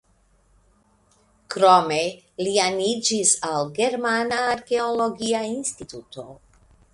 Krome li aniĝis al Germana Arkeologia Instituto.